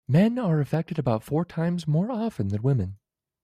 Men are affected about four times more often than women.